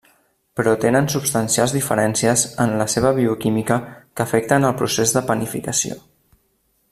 Però tenen substancials diferències en la seva bioquímica que afecten el procés de panificació.